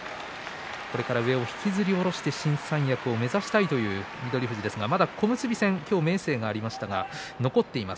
これから上を引きずり下ろして新三役を目指したいという翠富士ですがまだ小結戦、今日、明生がありましたが残っています。